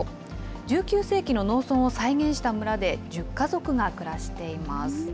１９世紀の農村を再現した村で、１０家族が暮らしています。